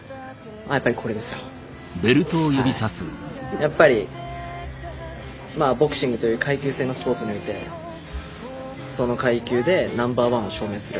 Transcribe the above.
やっぱりボクシングという階級制のスポーツにおいてその階級でナンバーワンを証明する。